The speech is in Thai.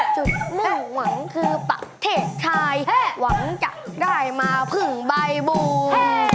จุดมุ่งหวังคือประเทศไทยหวังจะได้มาพึ่งใบบู